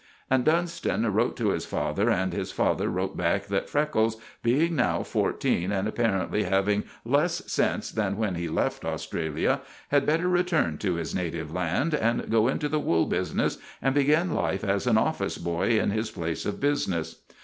And Dunston wrote to his father, and his father wrote back that Freckles, being now fourteen and apparently having less sense than when he left Australia, had better return to his native land, and go into the wool business, and begin life as an office boy in his place of business.